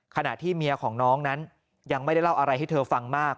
ขณะที่เมียของน้องนั้นยังไม่ได้เล่าอะไรให้เธอฟังมาก